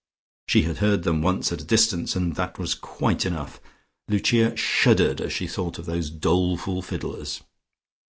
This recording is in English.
She had heard them once at a distance and that was quite enough. Lucia shuddered as she thought of those doleful fiddlers.